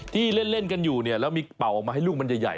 ที่เล่นกันอยู่เนี่ยแล้วมีเป่าออกมาให้ลูกมันใหญ่